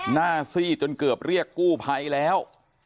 หน้าสี่จนเกือบเรียกกู้ไภแล้ว